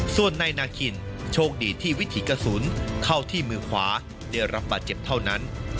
ส่วนนายนาคินโชคดีที่วิถีกระสุนเข้าที่มือขวาได้รับบาดเจ็บเท่านั้น